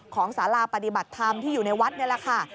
สาราปฏิบัติธรรมที่อยู่ในวัดนี่แหละค่ะ